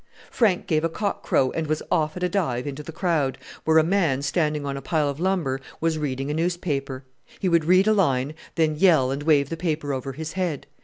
Frank gave a cock crow, and was off at a dive into the crowd, where a man, standing on a pile of lumber, was reading a newspaper. He would read a line, then yell and wave the paper over his head.